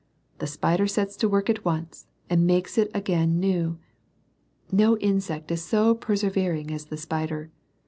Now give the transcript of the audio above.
The spider sets to work at once, and makes it again new. No insect is so per severing as the spider.